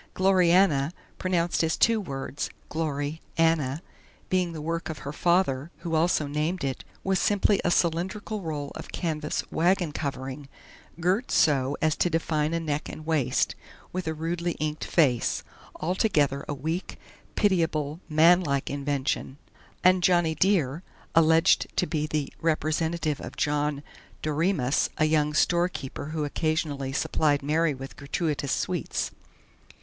"Gloriana" pronounced as two words: "Glory Anna" being the work of her father, who also named it, was simply a cylindrical roll of canvas wagon covering, girt so as to define a neck and waist, with a rudely inked face altogether a weak, pitiable, manlike invention; and "Johnny Dear," alleged to be the representative of John Doremus, a young storekeeper who occasionally supplied Mary with gratuitous sweets.